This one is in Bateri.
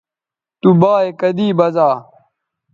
تو بایئے کدی بزا